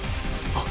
あっ。